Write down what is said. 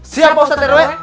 siap pausat rw